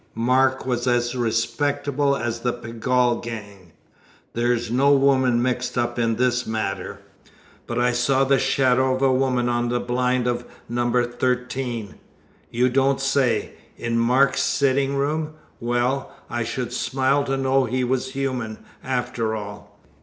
Mark was as respectable as the Pegall gang; there's no woman mixed up in this matter." "But I saw the shadow of a woman on the blind of No. 13!" "You don't say! In Mark's sitting room? Well, I should smile to know he was human, after all.